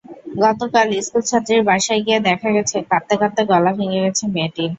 গতকাল স্কুলছাত্রীর বাসায় গিয়ে দেখা গেছে, কাঁদতে কাঁদতে গলা ভেঙে গেছে মেয়েটির।